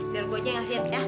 daruk bojeng yang siap ya